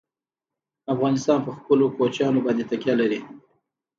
افغانستان په خپلو کوچیانو باندې تکیه لري.